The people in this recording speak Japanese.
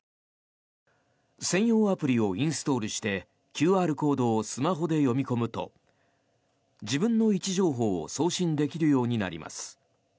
専用アプリをインストールしてＱＲコードをスマホで読み込むと自分の位置情報を送信できるようになります。